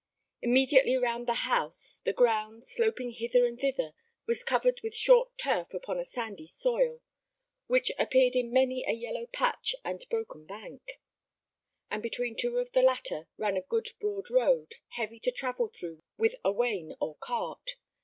Immediately round about the house, the ground, sloping hither and thither, was covered with short turf upon a sandy soil, which appeared in many a yellow patch and broken bank; and between two of the latter ran a good broad road, heavy to travel through with wain or cart.